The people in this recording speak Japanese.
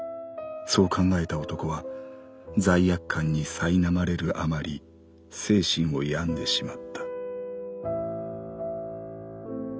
そう考えた男は罪悪感に苛まれるあまり精神を病んでしまった」。